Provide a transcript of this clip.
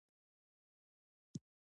وېنه بده ده.